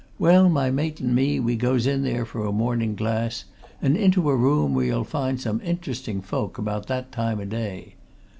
"Well, my mate and me we goes in there for a morning glass, and into a room where you'll find some interesting folk about that time o' day.